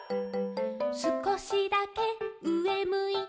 「すこしだけうえむいて」